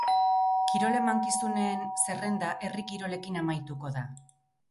Kirol emankizunen zerrenda herri kirolekin amaituko da.